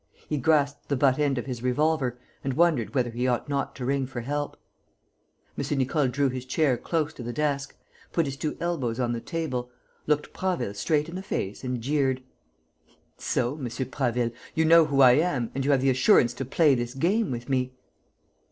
He grasped the butt end of his revolver and wondered whether he ought not to ring for help. M. Nicole drew his chair close to the desk, put his two elbows on the table, looked Prasville straight in the face and jeered: "So, M. Prasville, you know who I am and you have the assurance to play this game with me?"